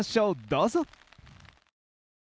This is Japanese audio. どうぞ。